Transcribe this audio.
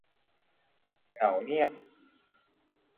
เหงาเงียบ